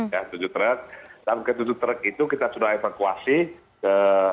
itu terakhir itu kita sudah evakuasi ke